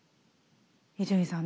伊集院さん